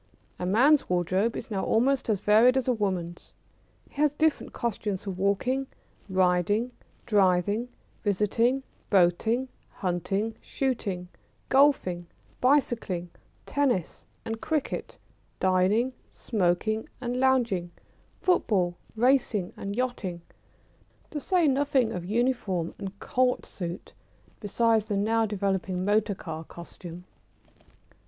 A man's wardrobe is now almost as varied as a woman's. He has different costumes for walking, riding, driving, visiting, boating, hunting, shooting, golfing, bicycling, tennis, and cricket, dining, smoking, and lounging, football, racing, and yachting, to say nothing of uniform and Court suit, besides the now developing motor car costume.